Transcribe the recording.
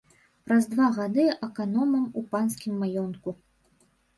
Праз два гады аканомам у панскім маёнтку.